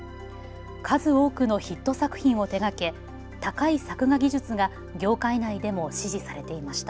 数多くのヒット作品を手がけ高い作画技術が業界内でも支持されていました。